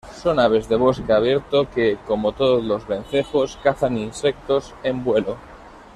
Son aves de bosque abierto que, como todos los vencejos, cazan insectos en vuelo.